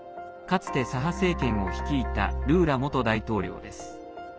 かつて左派政権を率いたルーラ元大統領です。